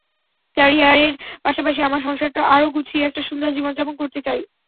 ক্যারিয়ারের পাশাপাশি আমার সংসারটা আরও গুছিয়ে একটা সুন্দর জীবন যাপন করতে চাই।